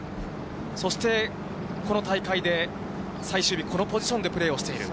そして、この大会で最終日、このポジションでプレーをしている。